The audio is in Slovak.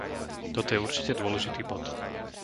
Toto je určite dôležitý bod.